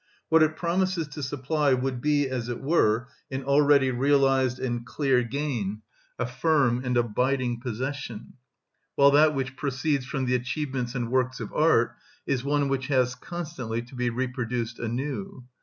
What it promises to supply would be, as it were, an already realised and clear gain, a firm and abiding possession; while that which proceeds from the achievements and works of art is one which has constantly to be reproduced anew.